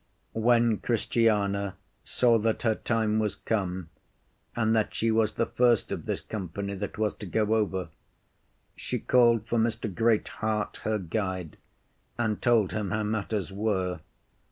When Christiana saw that her time was come, and that she was the first of this company that was to go over, she called for Mr. Great heart her guide, and told him how matters were.